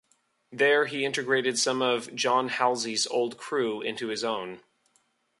There he integrated some of John Halsey's old crew into his own.